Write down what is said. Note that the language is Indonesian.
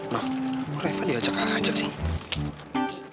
nah kenapa reva diajak ajak sih